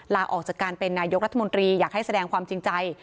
ลาออกจากการเป็นนายกรัฐมนตรีอยากให้แสดงความจริงใจ